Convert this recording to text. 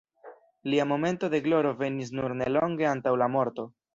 Lia momento de gloro venis nur nelonge antaŭ la morto.